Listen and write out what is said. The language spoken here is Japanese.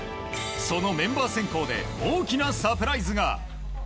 そのメンバー選考で大きなサプライズが。